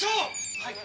はい。